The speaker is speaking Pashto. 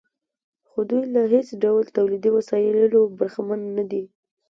خو دوی له هېڅ ډول تولیدي وسایلو برخمن نه دي